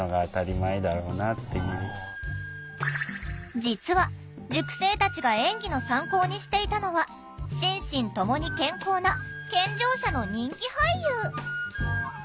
実は塾生たちが演技の参考にしていたのは心身ともに健康な健常者の人気俳優！